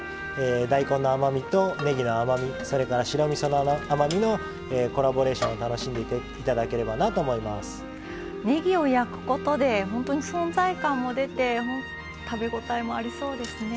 大根の甘み、ねぎの甘みそれから白みその甘みのコラボレーションを楽しんでいただければなとねぎを焼くことで本当に存在感も出て食べ応えもありそうですね。